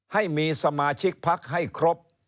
ให้มีสมาชิกพักให้ครบ